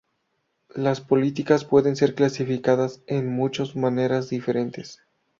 Las políticas pueden ser clasificadas en muchos maneras diferentes.